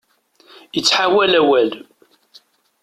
Ittḥawal awal.